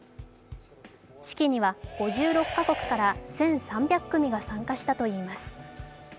式には５６か国から１３００組が参加したといいます。